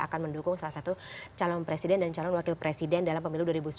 akan mendukung salah satu calon presiden dan calon wakil presiden dalam pemilu dua ribu sembilan belas